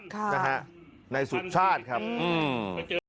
ค่ะนะฮะในสุชาติครับอืม